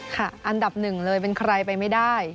อันดับหนึ่งเลยเป็นใครไปไม่ได้